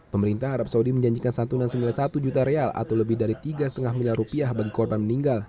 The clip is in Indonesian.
pemerintah arab saudi menjanjikan santunan rp sembilan puluh satu juta atau lebih dari rp tiga lima miliar bagi korban meninggal